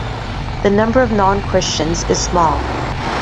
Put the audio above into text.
The number of non-Christians is small.